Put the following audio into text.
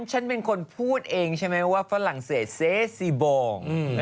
ฉันเป็นคนพูดเองใช่ไหมว่าฝรั่งเศสเซซีบอง